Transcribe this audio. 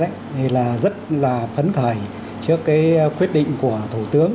thì là rất là phấn khởi trước cái quyết định của thủ tướng